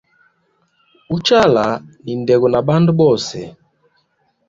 Uchala ni ndego na bandu bose.